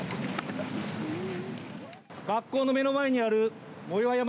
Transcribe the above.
学校の目の前にある藻岩山